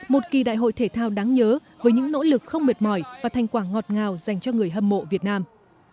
một kỳ đại hội thể thao đáng nhớ với những nỗ lực không mệt mỏi và thành quả ngọt ngào dành cho người hâm mộ việt nam